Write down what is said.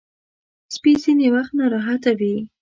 سپي ځینې وخت ناراحته وي.